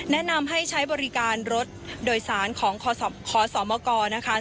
แนะนำให้ใช้บริการรถโดยสารของขอสมกนะคะ